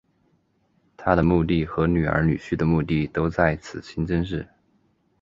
她的墓地和女儿女婿的墓地都在此清真寺。